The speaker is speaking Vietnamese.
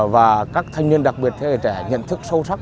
và các thanh niên đặc biệt thế giới trẻ nhận thức sâu động